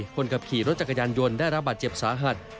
คนขับขี่รถจักรยานยนต์ได้รับบาดเจ็บสาหัส